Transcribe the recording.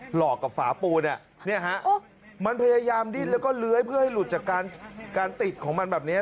หลอกกับฝาปูเนี่ยฮะมันพยายามดิ้นแล้วก็เลื้อยเพื่อให้หลุดจากการติดของมันแบบนี้